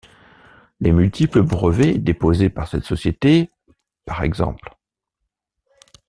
Les multiples brevets déposés par cette société, par ex.